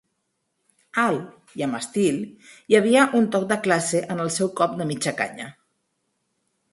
Alt i amb estil, hi havia un toc de classe en el seu cop de mitja canya.